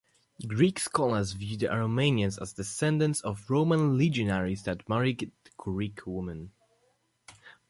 Greek scholars view the Aromanians as descendants of Roman legionaries that married Greek women.